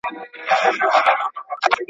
دا د شملو دا د بګړیو وطن.